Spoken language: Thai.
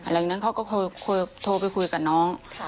หลังจากนั้นเขาก็โทรไปคุยกับน้อง